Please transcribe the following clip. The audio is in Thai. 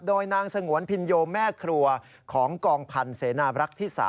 โดยนางสงวนพินโยแม่ครัวของกองพันธ์เสนาบรักษ์ที่๓